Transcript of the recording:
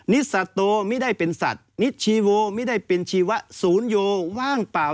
นิสโตไม่ได้เป็นสัตว์นิชชีโวไม่ได้เป็นชีวะศูนย์โยว่างเปล่า